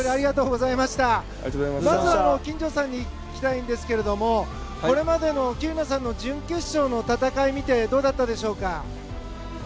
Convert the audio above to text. まず金城さんに聞きたいんですけどこれまでの喜友名さんの準決勝の戦いを見てどうだったでしょうか。